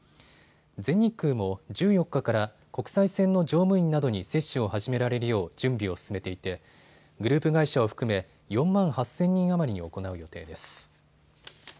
全日空も１４日から国際線の乗務員などに接種を始められるよう準備を進めていてグループ会社を含め４万８０００人余りに行う予定です。